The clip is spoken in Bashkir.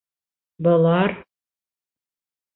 - Былар!..